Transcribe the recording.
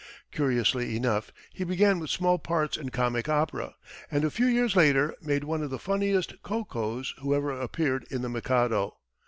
Curiously enough, he began with small parts in comic opera, and a few years later, made one of the funniest Kokos who ever appeared in "The Mikado."